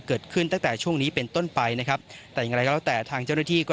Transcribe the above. เกิดขึ้นตั้งแต่ช่วงนี้เป็นต้นไปนะครับแต่อย่างไรก็แล้วแต่ทางเจ้าหน้าที่ก็